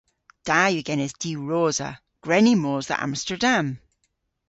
Da yw genes diwrosa. Gwren ni mos dhe Amsterdam!